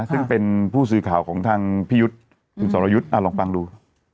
ซึ่งเป็นผู้สื่อข่าวของทางพี่ยุทธ์คุณสรยุทธ์ลองฟังดู